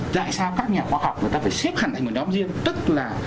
tại sao các nhà khoa học người ta phải xếp hẳn thành một nhóm riêng tức là